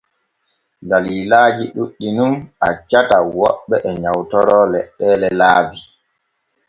Dallillaaji ɗuuɗɗi nun accata woɓɓe e nyawtoro leɗɗeele laabi.